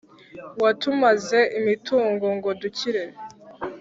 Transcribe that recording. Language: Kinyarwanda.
watumaze imitungo ngo dukire